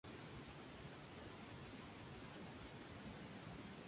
En este período fue integrante de la Comisión permanente de Guerra y Marina.